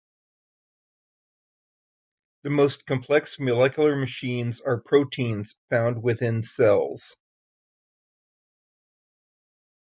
The most complex molecular machines are proteins found within cells.